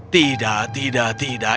tidak tidak tidak